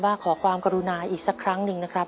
ขอความกรุณาอีกสักครั้งหนึ่งนะครับ